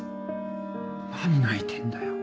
何泣いてんだよ。